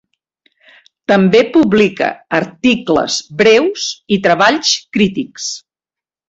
També publica articles breus i treballs crítics.